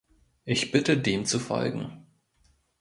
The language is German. Ich bitte dem zu folgen.